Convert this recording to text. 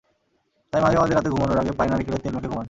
তাই মাঝে মাঝে রাতে ঘুমানোর আগে পায়ে নারিকেলের তেল মেখে ঘুমান।